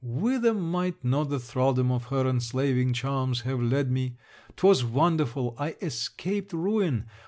Whither might not the thraldom of her enslaving charms have led me! 'twas wonderful I escaped ruin!